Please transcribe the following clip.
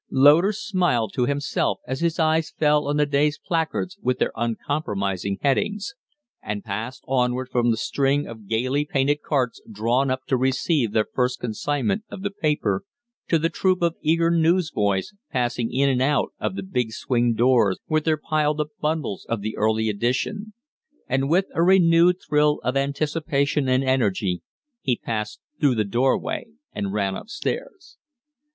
Loder smiled to himself as his eyes fell on the day's placards with their uncompromising headings, and passed onward from the string of gayly painted carts drawn up to receive their first consignment of the paper to the troop of eager newsboys passing in and out of the big swing doors with their piled up bundles of the early edition; and with a renewed thrill of anticipation and energy he passed through the doorway and ran up stairs.